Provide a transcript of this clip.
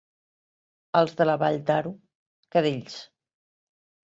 Els de la vall d'Aro, cadells.